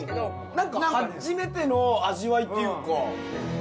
何か初めての味わいっていうか。